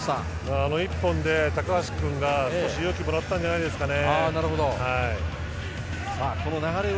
あの１本で高橋君が勇気をもらったんじゃないですかね。